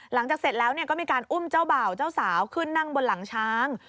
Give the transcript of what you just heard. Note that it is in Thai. เสร็จแล้วก็มีการอุ้มเจ้าบ่าวเจ้าสาวขึ้นนั่งบนหลังช้าง